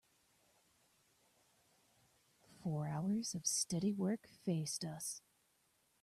Four hours of steady work faced us.